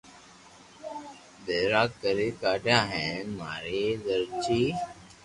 ڀيرا ڪري ڪاڌيا ھين ماري زرچي